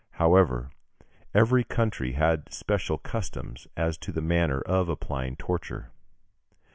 However, every country had special customs as to the manner of applying torture.